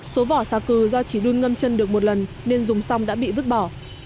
số vỏ xà cừ do chỉ đun ngâm chân được một lần nên dùng xong đã bị vứt bỏ